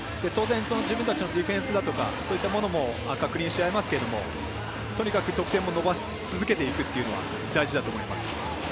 当然自分たちのディフェンスだとかそういったものも確認しあえますけどとにかく得点を伸ばし続けていくというのが大事だと思います。